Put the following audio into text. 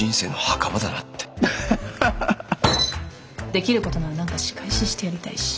できることなら何か仕返ししてやりたいし。